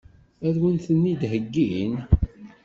Ad wen-ten-id-heggin?